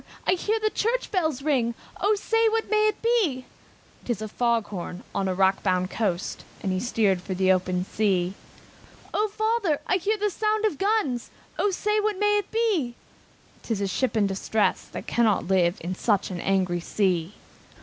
I hear the church bells ring, O say, what may it be?" "Tis a fog bell on a rock bound coast!" And he steered for the open sea. "O father! I hear the sound of guns, O say, what may it be?" "Some ship in distress, that cannot live In such an angry sea!"